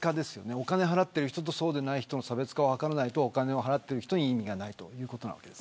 お金を払ってる人とそうでない人との差別化を図らないとお金を払ってる人に意味がないということなわけです。